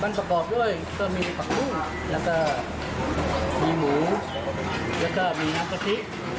มันประกอบด้วยก็มีผักกุ้งแล้วก็มีหมูแล้วก็มีน้ำกะทิ